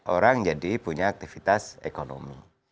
orang jadi punya aktivitas ekonomi